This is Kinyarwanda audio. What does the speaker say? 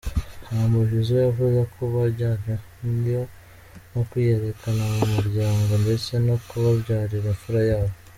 Humble Jizzo yavuze ko bajyanyweyo no kwiyerekana mu muryango ndetse no kuhabyarira imfura yabo.